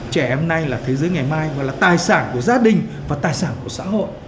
trẻ em này là thế giới ngày mai mà là tài sản của gia đình và tài sản của xã hội